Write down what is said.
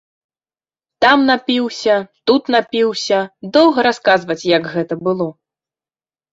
Там напіўся, тут напіўся, доўга расказваць, як гэта было.